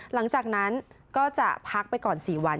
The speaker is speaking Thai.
หลังจากนั้นก็จะพักไปก่อน๔วัน